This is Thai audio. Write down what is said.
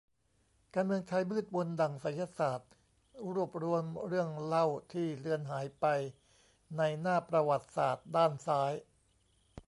การเมืองไทยมืดมนดั่งไสยศาสตร์ รวบรวมเรื่องเล่าที่เลือนหายไปในหน้าประวัติศาสตร์ด้านซ้าย